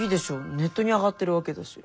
ネットに上がってるわけだし。